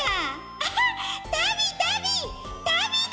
アハッたびたびたびだ！